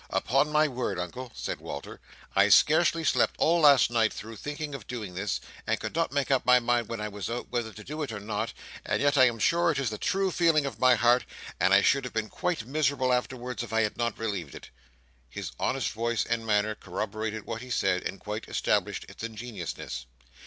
Upon my word, Uncle," said Walter, "I scarcely slept all last night through thinking of doing this; and could not make up my mind when I was out, whether to do it or not; and yet I am sure it is the true feeling of my heart, and I should have been quite miserable afterwards if I had not relieved it." His honest voice and manner corroborated what he said, and quite established its ingenuousness.